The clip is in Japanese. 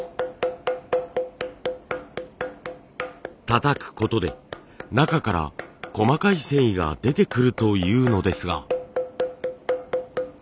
たたくことで中から細かい繊維が出てくるというのですが。